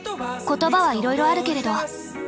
言葉はいろいろあるけれど。